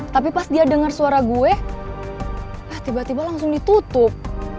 tapi pas dia dengar suara gue tiba tiba langsung ditutup